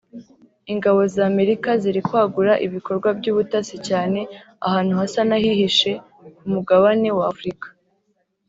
“Ingabo z’Amerika ziri kwagura ibikorwa by’ubutasi cyane ahantu hasa n’ahihishe ku mugabane w’Afurika